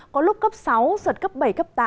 có lúc cấp sáu giật cấp bảy cấp tám